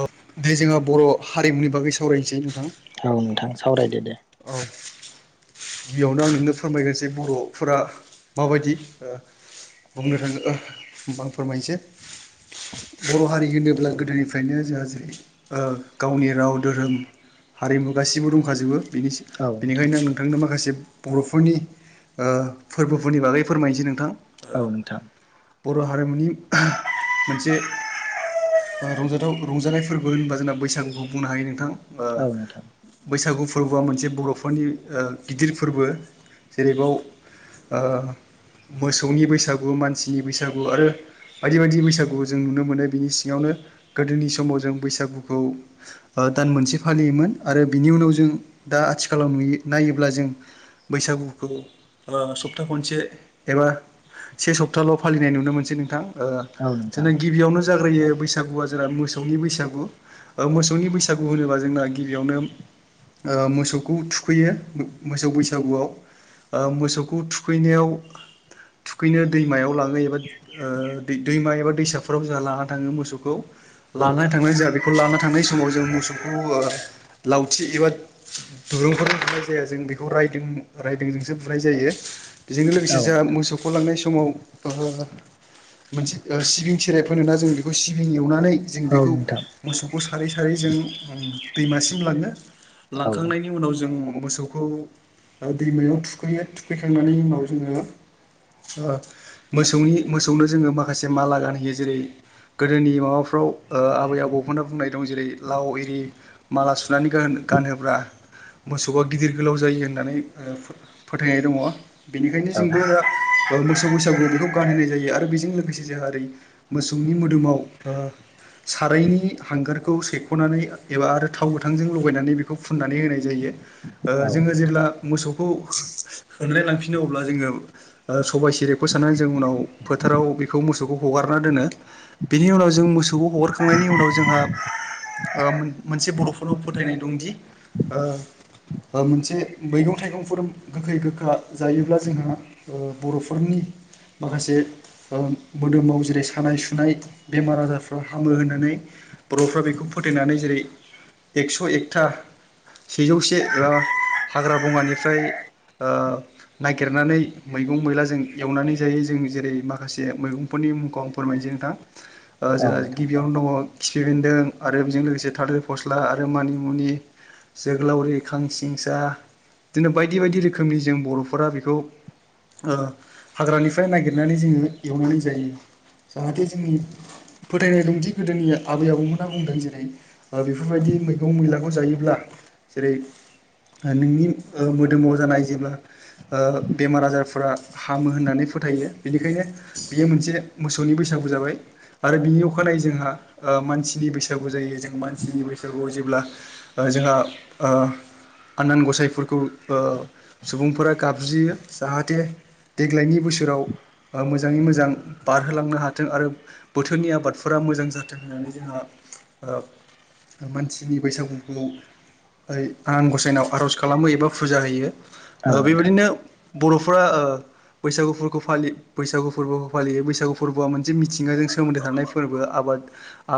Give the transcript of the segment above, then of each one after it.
अ दे जोंहा बर' हारिमुनि बागै सावरायनोसै। नोंथां औ नोंथां सावराय औ। गिबिआवनो आं नोंनो फोरमायगोन जे बर'फोरा माबायदि बुंनो थाङो ओ ओमबा आं फोरमायसै बर' हारि होनोब्ला गोदोनिफ्रायनो जोंहा जै ओ गावनि राव धोरोम हारिमु गासिबो दंखाजोबो बिनि औ नोंथां बिनिखायनो आं नों माखासे बर'फोरनि ओ फोरबोफोरनि बागै फोरमायनोसै नोंथां। औ नोंथां। बर' हारिमुनि मोनसे बा रंजाथाव रंजानायफोरबो होनबा जोंना बैसागुखौ बुंनो हायो नोंथां। ओ औ नोंथां बैसागु फोरबोआ मोनसे बर'फोरनि ओ गिदिर फोरबो जेरैबाव ओ मोसौनि बैसागु मानसिनि बैसागु आरो बायदि बायदि बैसागु जों नुनो मोनो बिनि सिङावनो गोदोनि समाव जों बैसागुखौ ओ दान मोनसे फालियोमोन आरो बिनि उनाव जों दा आथिखालाव नुयो- नायोब्ला जों बैसागुखौ ओ सप्ता खनसे एबा से सप्ताल' फालिनाय नुनो मोनसै नोंथां ओ औ नोंथां जोंना गिबियावनो जाग्रोयो बैसा गुआ जोंना मोसौनि बैसागु ओ मोसौनि बैसागु होनोबा जोंना गिबियावनो ओ मोसौखौ थु खैयो मोसौ बैसागुआव ओ मोसौखौ थुखैनायाव थुखैनो दैमायाव लाङो एबा ओ दै दैमा एबा दैसाफोराव जोंहा लाना थाङो मोसौखौ लानानै थांनाय जा बेखौ लाना थांनाय समाव जों मोसौखौ औ लावथि एबा दुरुंफोर नाय जा जों बेखौ रायदों जोंसो बुनाय जायो बेजों औ लोगोसे जों नोंथां मोसौखौ लांनाय सम समाव ओ मोनसे सिबिं खेराइ फोनोना जों बेखौ सिबिं एवनानै जों औ बिखौ नोंथां मोसौ खौ सारै सारै जों दैमासिम लाङो औ लांखांनायनि उनाव जों मोसौखौ दैमायाव थुखैयो थुखैखांनायनि उनाव जोङो ओ मोसौनि मोसौनो जोङो माखासे माला गानहोयो जेरै गोदोनि माबाफ्रा व ओ आबै आबौमोनना बुंनाय दं जेरै लाव एरि माला सुनानै गान गानहोब्ला मोस बआ गिदिर गोलाव जायो होननानै ओ फो फोथायनाय दङ बिनिखायनो जोंबो ओ मोसौ बैसागु बेखौ गानहोनाय जायो आरो बेजों लोगोसे जोंहा ओरै मोसौनि मोदोमाव ओ सारायनि हांगारखौ सेख'नानै एबा आरो थाव गोथांजों लगायनानै बेखौ फुननानै होनाय जायो। ओ औ नोंथां औ जोङो नोंथां जेब्ला मोसौखौ खलाय लांफिनो अब्ला जोङो ओ सबाय सेरे फोसनानै जों उनाव फोथाराव बेखौ मोसौखौ हगारना दोनो बेनि उनाव जों मोसौखौ हगारखांनायनि नि उनाव जोंहा ओ मोनसे बर'फोरनाव फोथायनाय दंदि ओ मोनसे मैगं थाइगंफोर गोखै गोखा जायोब्ला जोंहा ओ बर'फोरनि माखासे ओ मोदोमाव जेरै सानाय सुनाय बेमार आजारफ्रा हामो होननानै बर'फ्रा बेखौ फोथायनानै जेरै एक्स' एकथा सेजौसे एबा हाग्रा बंङानिफ्राय ओ नागिरनानै मैगं मैलाजों एवनानै जायो जों जेरै माखासे मैगंफोर नि मुंखौ आं फोरमायनोसै नोंथाङा जोंहा गिबियावनो दङ खिफि बेनदों आरो बेजों लोगोसे थालिर फस्ला आरो मानिमुनि, जोगोलावरि, खांसिंसा बिदिनो बायदि बायदि रोखोमनि जों बर'फोरा बेखौ ओ हाग्रानिफ्राय नागिरनानै जोङो एवनानै जायो‌। जाहाथे जोंनि फोथायनाय दंदि गोदोनि आबै आबौमोनना बुंदों जेरै ओ बेफोरबायदि बे मैगं मैलाखौ जायोब्ला जेरै [inaudible] नोंनि ओ मोदोमाव जानाय जेब्ला बेमार आजारफोरा हामो होननानै फोथायो बे बेनिखायनो बियो मोनसे मोसौनि बैसागु जाबाय आरो बिनि अखानायै जोंहा ओ मान मानसिनि बैसागु जायो जों मानसिनि बैसागुआव जेब्ला जोंहा ओ आनान गसाइफोरखौ ओ सुबुंफोरा गाबज्रियो जाहाथे देग्लायनि बोसोराव ओ मोजाङै मोजां बारहोलांनो हाथों आरो बोथोरनि आबादफोरा मोजां जाथों होननानै जोंहा ओ मानसिनि बैसागुखौ हाय आनान गसायनायाव आरज खालामो एबा फुजा होयो औ नोंथां औ नोंथां औ नोंथां औ नोंथां बेबायदिनो बरफोरा ओ बैसागु फोरबो फालियो बैसागु फोरबोखौ फालियो बैसागु फोरबोआ मोनसे मिथिंगाजों सोमोन्दो थानाय फोरबो आब आबाद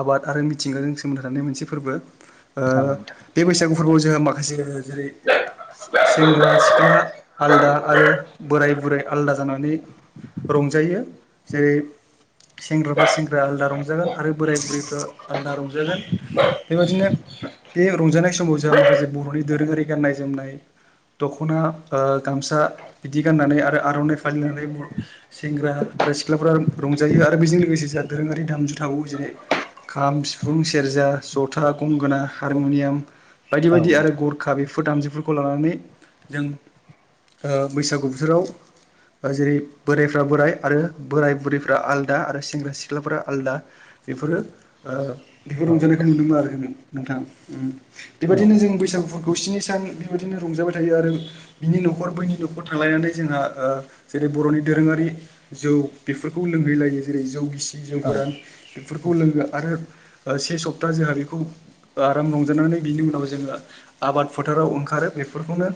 आबाद आरो मिथिंगाजों सोमोन्दो थानाय मोनसे फोरबो। ओ बे बैसागु फोरबोआव जोंहा माखासे जेरै सेंग्रा सिख्ला आलदा आरो बोराय बुराय आलादा जानानै रंजायो जेरै सेंग्राफ्रा सेंग्रा आलादा रंजागोन आरो बोराय बुरैफ्रा आलदा रंजागोन बेबादिनो बे रंजानाय समाव जोंहा माखासे बरनि दोरोङारि गाननाय जोमनाय दखना ओ गामसा बिदि गाननानै आरो आरनाइ फालिनानै बर सेंग्रा आरो सिख्लाफोरा रंजायो आरो बेजों लोगोसे जोंहा दोरोङारि दामजुथाबावो जेरै खाम सिफुं सेरजा जथा गंगोना हारमुनियाम बायदि औ नोंथां औ बायदि आरो नोंथां गरखा बेफोर दामजुफोरखौ लानानै जों ओ बैसागु बोथोराव जेरै बोरायफ्रा बोराय आरो बोराय बुरैफ्रा आलादा आरो सेंग्रा सिख्लाफ्रा आलदा बेफोरो ओ बेखौ रंजानायखौ नुनो मोन आरो नोंथाङा उम बेबायदिनो जों बैसागु खौ स्नि सान बेबायदिनो रंजाबाय थायो आरो बिनि नखर बैनि नखर थांलायनानै जोंहा ओ जेरै बरनि दोरोङारि जौ बेफोरखौ लोंहै लायो जेरै जौ गिसि जौ गोरान बेफोरखौ लोगो आरो ओ से सप्ता जोंहा बेखौ आराम रंजानानै बिनि उनाव जोङो आबाद फोथाराव ओंखारो बेफोरखौनो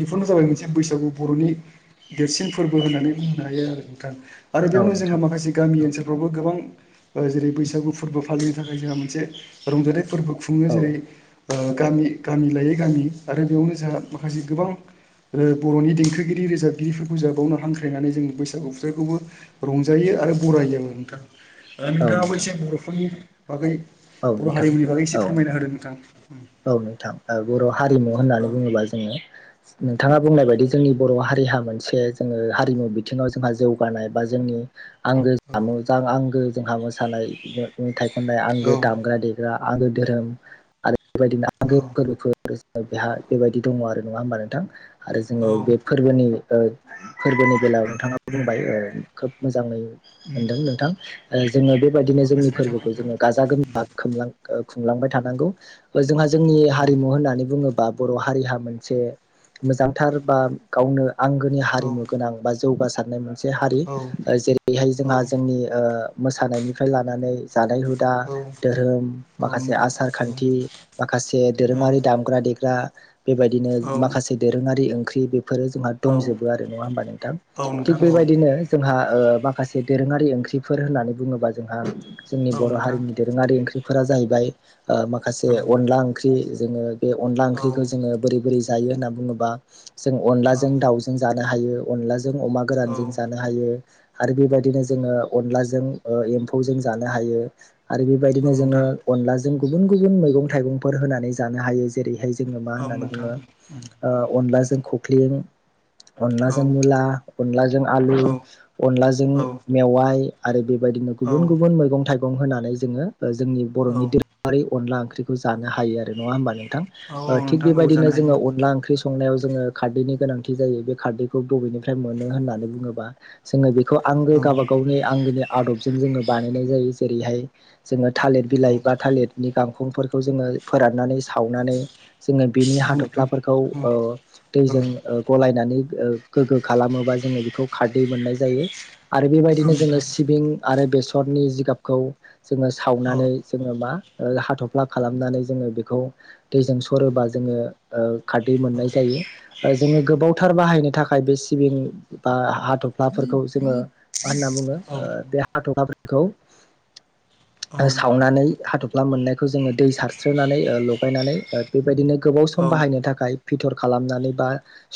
बेफोरनो जाबाय मोनसे बैसागु बरनि देरसिन फोरबो होननानै बुंनो हायो आरो नोंथां। आरो बेयावनो जोंहा माखासे गामि ओनसोल फ्रावबो गोबां ओ जेरै बैसागु फोरबो फालिनो थाखाय जोंहा मोनसे रंजाथाय फोरबो खुङो जेरै ओ गामि गामि लायै गामि आरो बेयावनो जोंहा माखासे गोबां ओ बरनि देंखोगिरि रोजाबगिरिफोरखौ जों बावनो हांख्रायनानै जों बैसागु फुथोरखौबो रंजायो आरो बराय आरो नोंथां। नोंथाङाबो एसे बरफोरनि बागै औ बर नोंथां हारिमुनि बागै एसे औ फोरमायना होदों नोंथां। औ नोंथां बर हारिमु होननानै बुङोबा औ जोङो नोंथाङा बुंनाय बायदि जोंनि बर हारिहा मोनसे जोङो हारिमु बिथिङाव जोंहा जौगानाय बा जोंनि आंगो मोजां आंगो जोंहा मोसानाय मेथाइ खननाय आंगो औ गेलेग्रा आंगो धोरोम आरो बेबायदिनो आंगो फोरबोफोर बेहा बेबायदि दङ आरो। नङा होमबा नोंथां? आरो औ जोङो औ बे फोरबोनि ओ फोरबोनि बेलायाव नोंथाङाबो बुंबाय ओ खोब मोजाङै उम मोनदों नोंथां। ओ जोङो अ बेबायदिनो जोंनि गोजोननाय फोरबोखौ थाबाय जोङो गाजा गोम खुंलां खुंलांबाय थानांगौ जोंहा जोंनि हारिमु होननानै बुङो बा बर हारिहा मोनसे मोजांथार बा गावनो आंगोनि नोंथां औ हारिमु गोनां बा जौगासारनाय मोनसे हारि जेरैहाय औ जोंहा जोंनि ओ मोसानायनिफ्राय लानानै जानाय हुदा औ धोरोम औ माखासे नोंथां आसार खान्थि माखासे औ दोरोङारि दामग्रा देग्रा बेबायदिनो औ माखासे दोरोङारि ओंख्रि बे फोरो जोंहा दंजोबो आरो नङा होमबा नोंथां औ थिग नोंथां औ बेबायदिनो जोंहा ओ माखासे दोरोङारि ओंख्रिफोर होननानै बुङोबा जोंहा जोंनि बर नोंथां हारिनि दोरोङारि ओंख्रिफोरा जाहैबाय औ माखासे अनला ओंख्रि जोङो बे अनला औ ओंख्रिखौ जोङो बैरै बोरै जायो होनना बुङोबा जों औ अनलाजों दावजों जानो हायो अनलाजों अमा गोरानजों जानो हायो आरो बेबायदिनो जोङो अनलाजों ओ एम्फौजों जानो हायो आरो औ बेबायदिनो जोङो नोंथां अनलाजों गुबुन गुबुन मैगं थाइगंफोर होनानै जानो हायो जेरैहाय जोङो मा औ होननानै नोंथां बुङो उम ओ अनलाजों खख्लिं औ अनलाजों मुला अनलाजों आलु औ अनलाजों औ मेवाय आरो बे बेबायदिनो औ गुबुन गुबुन मैगं थाइगं होनानै जोङो जोंनि बर'नि दोरोङारि अनला ओंख्रिखौ जानो हायो आरो नङा होनबा नोंथां औ ओ थिग नोंथां औ बेबायदिनो जानो हायो जोङो अनला ओंख्रि संनायाव जोङो खारदैनि गोनांथि जायो बे खारदैखौ बबेनिफ्राय मोनो होननानै बुङोबा जोङो खौ औ आंगो गावाबा गावनि आंगोनि आदबजों जोङो बानायनाय जायो जेरैहाय जोङो थालिर औ बिलाइ बा थालिरनि गांखंफोरखौ जोङो फोराननानै सावनानै। जोङो बिनि नोंथां हाथफ्लाफोरखौ औ ओ औ दैजों ओ गलायनानै गोग्गो खालामोबा जोङो बेखौ खारदै मोननाय जायो आरो बेबायदिनो जोङो नोंथां सिबिं आरो बेसरनि जिगाबखौ जोङो औ सावनानै जोङो मा ओ हाथफ्ला खालामनानै जोङो बेखौ दैजों सरोबा जोङो ओ खारदै मोननाय जायो। जोङो गोबावथार बाहायनो थाखाय बे सिबिं बा हाथफ्लाफोरखौ जोङो मा होनना बुङो ओ औ बे हाथप्लाफोरखौ औ सावनानै हाथफ्ला मोननायखौ जोङो दै सारस्रोनानै ओ लगायनानै बेबायदिनो गोबाव सम बाहायनो थाखाय फिथर खालामनानै बा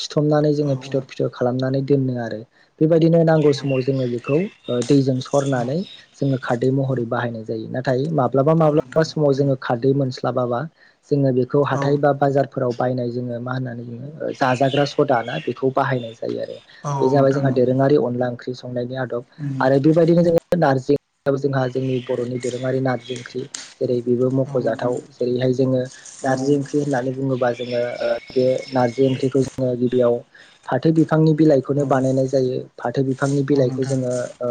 सिुथमनानै जोङो फिथर औ फिथर खालामनानै दोननो आरो बेबायदिनो नांगौ समाव जोङो बेखौ ओ दैजों सरनानै औ जोङो खार महरै बाहायनाय जायो नाथाय माब्लाबा नोंथां माब्लाबा समाव उम जोङो खारदै मोनस्लाबाबा जोङो बेखौ औ हाथाय बा बाजारफोराव बायनाय जोङो मा होननानै बुङो जाजाग्रा सदा ना बेखौ बाहायनाय जायो आरो औ बे जाबाय नोंथां जोंहा औ दोरोङारि अनला ओंख्रि संनायनि आद आरो उम बेबायदिनो जोङो नारजि याव जोंहा जोंनि बर'नि दोरोङारि नारजि ओंख्रि जेरै बेबो औ नोंथां मखजाथाव जेरैहाय जोङो औ नारजि ओंख्रि होननानै बुङोबा जोङो ओ बे नारजि ओंख्रिखौ जोङो गिबियाव फाथो बिफांनि औ बिलाइखौनो बानायनाय जायो फाथो बिफांनि औ बिलाइखौ नोंथां जोङो ओ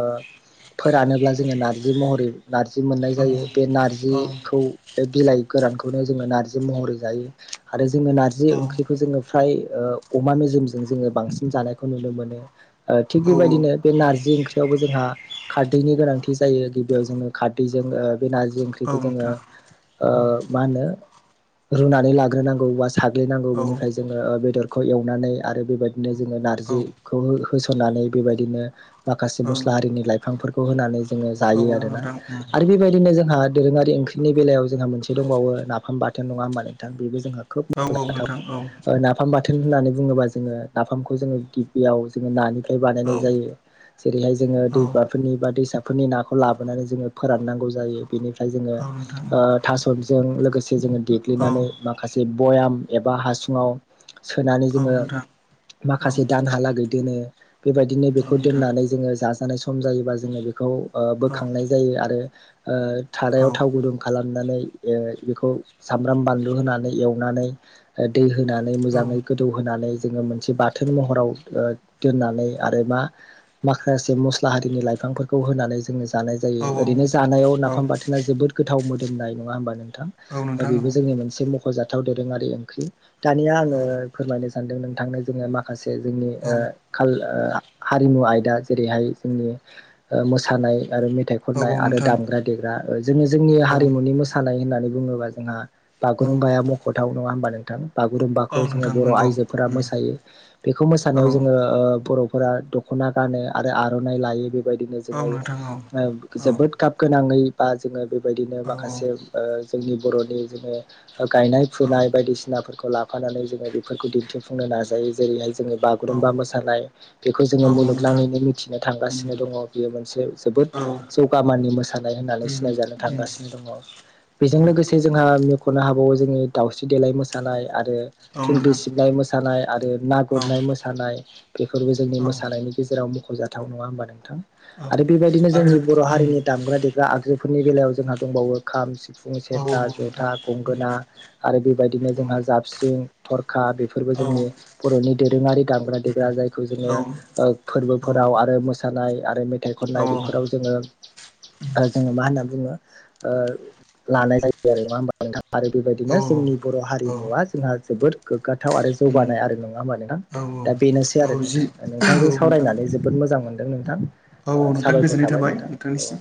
फोरानोब्ला जोङो नारजि महरै नारजि मोननाय औ जायो बे औ नारजिखौ बे बिलाइ गोरानखौनो जोङो नारजि महरै जायो आरो जोङो नार्जि ओंख्रिखौ जोङो फ्राय ओ अमा मेजेमजों जोङो बांसिन जानायखौ नुनो मोनो ओ थिग औ बेबायदिनो बे नारजि ओंख्रि यावबो जोंहा खारदैनि गोनांथि जायो गिबियाव जोङो खारदैजों ओ बे नारजि औ ओंख्रिखौ जोङो नोंथां ओ मा होनो रुनानै लाग्रोनांगौ। साग्लिनांगौ औ बेनिफ्राय जोङो बेदरखौ एवनानै आरो बेबायदिनो जोङो औ नारजिखौ हो होनानै बेबायदिनो माखासे औ मस्ला आरिनि लाइफांफोरखौ होनानै जोङो नोंथां औ नोंथां औ जायो आरो ना। नोंथां आरो बेबायदिनो जोंहा दोरोङारि ओंख्रिनि बेलायाव जोंहा मोनसे दंबावो नाफाम बाथोन नङा होमबा नोंथां बेबो जोंहा [unintelligible] औ नोंथां औ नोंथां औ नाफाम बा [unintelligible] बाथोन होननानै बुङोबा जोङो नाफामखौ जोङो गिबियाव जोङो नानिफ्राय औ बानायनाय नोंथां औ औ जायो। जेरैहाय जोङो नोंथां औ दैबाफोरनि बा दैसा फोरनि नाखौ लाबोनानै जोङो फोराननांगौ जायो बेनिफ्राय जोङो औ ओ थासजों लोगोसे जोङो देग्लिनानै माखासे भयाम एबा हासुङाव सोनानै जोङो माखासे दानहालागै दोनो बेबायदिनो बेखौ दोननानै जोङो जाजानाय सम जायोबा जोङो बे खौ ओ बोखांनाय जायो आरो ओ थादायाव थाव गुदुं खालामनानै ओ बेखौ सामब्राम बानलु होनानै एवनानै दै होनानै मोजाङै गोदौ होनानै जोङो मोनसे बाथोन महराव ओ दोननानै आरो मा माखासे मस्ला हारिनि लाइफांफोर खौ होनानै जोङो जानाय जायो ओरैनो जानायाव नाफाम बाथोना जोबोद गोथाव मोदोमनाय नङा होमबा नोंथां। बेबो जोंनि मोनसे मख'जाथाव दोरोङारि ओंख्रि दानिया आङो फोरमायनो सानदों नोंथांनो जोङो माखासे जोंनि ओ हारिमु आयदा जेरैहाय जोंनि ओ मोसानाय आरो मेथाइ खननाय आरो दामग्रा देग्रा जोङो जोंनि हारिमुनि मोसानाय होननानै बुङोब्ला जोंहा बागुरुम्बाया मख'थाव नङा होनबा नोंथां बागुरुम्बाखौ जोङो नोंथां बर' नंगौ आइजोफोरा मोसायो। बेखौ औ मोसानायाव जोङो ओ बर'फोरा दख'ना गानो आरो आर'नाइ लायो बे बेबादिनो औ जोङो ओ नोंथां औ औ जोबोद गाब गोनाङै बा जोङो बेबायदिनो औ माखासे ओ जोंनि बर'नि जोङो गायनाय औ फुनाय बायदिसिनाफोरखौ लाफानानै जोङो बेफोरखौ दिन्थिफुंनो नाजायो जेरैहाय जोङो औ बागुरुम्बा मोसानाय बेखौ औ जोङो नोंथां मुलुगनाङैनो मिथिनो उम थांगासिनो। दङ बियो मोनसे जोबोद औ जौगामानि मोसानाय होननानै उम सिनायजानो उम थांगासिनो दङ। औ बेजों लोगोसे जोंहा मख'नो हाबावो जोङो दावस्रि देलाय मोसानाय आरो औ थुंग्रि नोंथां सिबनाय मोसानाय आरो ना औ गुरनाय मोसानाय बेफोरबो औ जोंनि मोसानायनि गेजेराव मख'जाथाव नङा होनबा नोंथां औ आरो बेबायदिनो आरो जोंनि बर' उम हारिनि दामग्रा देग्रा आगजुफोरनि बेलायाव जोंहा दंबावो खाम सि फुं औ औ सेरजा नोंथां जथा गंगोना आरो बेबायदिनो उम जोंहा जाबस्रिं थरखा बेफोरबो औ जों उम औ जोंनि बर'नि दोरोङारि दामग्रा देग्रा जायखौ जोङो ओ फोरबोफोराव आरो मो सानाय आरो मेथाइ औ उम औ खननाय बेफोराव जोङो जोङो मा होनना बुङो ओ लानाय जायो आरो नङा होमबा नोंथाङा आरो बेबायदिनो जोंनि बर' हारिमुवा जोंहा जोबोद गोग्गाथाव आरो जौगानाय आरो नङा होनबा नोंथां! औ दा बेनोसै आरो औ जि नोंथां औ नोंथांजों नोंथां सावरायनानै जोबोद मोजां मोनदों नोंथां औ औ नोंथां साबायखर गोजोननाय थाबाय नोंथां। औ नोंथांनिसिम